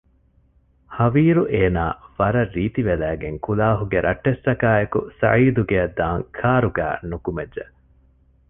ހަވީރު އޭނާ ވަރަށް ރީތިވެލައިގެން ކުލާހުގެ ރައްޓެއްސަކާއެކު ސަޢީދު ގެއަށް ދާން ކާރުގައި ނުކުމެއްޖެ